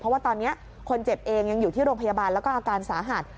เพราะว่าตอนนี้คนเจ็บเองยังอยู่ที่โรงพยาบาลแล้วก็อาการสาหัส